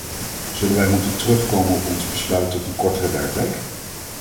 Zullen wij moeten terugkomen op ons besluit tot een kortere werkweek?